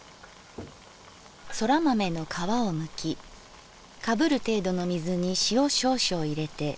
「そら豆の皮をむきかぶる程度の水に塩少々入れてゆでておく」。